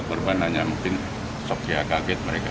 korban hanya mungkin shock ya kaget mereka